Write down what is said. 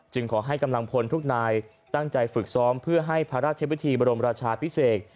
ขอให้กำลังพลทุกนายตั้งใจฝึกซ้อมเพื่อให้พระราชวิธีบรมราชาพิเศษ